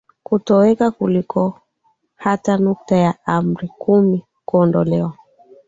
kutoweka kuliko hata nukta ya Amri kumi kuondolewa